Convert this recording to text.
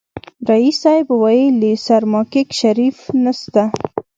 ريس صيب ويلې سرماکيک شريف نسته.